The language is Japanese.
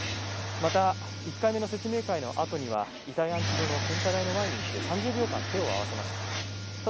また、１回目の説明会のあとには遺体安置所の献花台の前にいって３０秒間、手を合わせました。